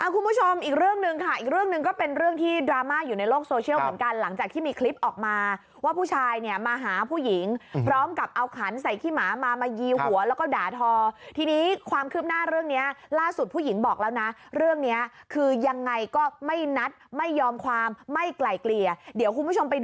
คุณผู้ชมอีกเรื่องหนึ่งค่ะอีกเรื่องหนึ่งก็เป็นเรื่องที่ดราม่าอยู่ในโลกโซเชียลเหมือนกันหลังจากที่มีคลิปออกมาว่าผู้ชายเนี่ยมาหาผู้หญิงพร้อมกับเอาขันใส่ขี้หมามายีหัวแล้วก็ด่าทอทีนี้ความคืบหน้าเรื่องนี้ล่าสุดผู้หญิงบอกแล้วนะเรื่องนี้คือยังไงก็ไม่นัดไม่ยอมความไม่ไกลเกลี่ยเดี๋ยวคุณผู้ชมไปดู